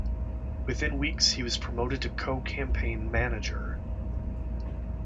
Within weeks he was promoted to co-campaign manager.